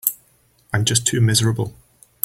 I'm just too miserable.